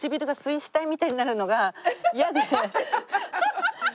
ハハハハ！